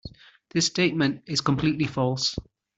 This statement is completely false.